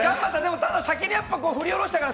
先に振り下ろしたから、